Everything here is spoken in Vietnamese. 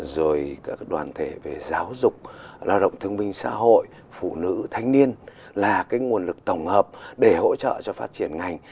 rồi các đoàn thể về giáo dục lao động thương minh xã hội phụ nữ thanh niên là cái nguồn lực tổng hợp để hỗ trợ cho phát triển ngành